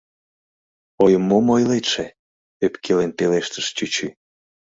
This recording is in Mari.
— Ой, мом ойлетше! — ӧпкелен пелештыш чӱчӱ.